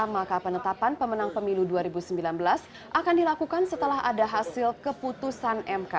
maka penetapan pemenang pemilu dua ribu sembilan belas akan dilakukan setelah ada hasil keputusan mk